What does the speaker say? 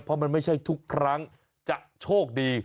เพราะมันไม่ใช่ทุกครั้งจะโชคดี